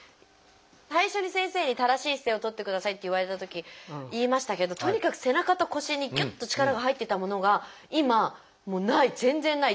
最初に先生に「正しい姿勢をとってください」って言われたとき言いましたけどとにかく背中と腰にぎゅっと力が入ってたものが今もうない全然ない。